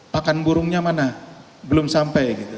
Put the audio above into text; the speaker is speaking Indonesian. pakan burungnya mana belum sampai gitu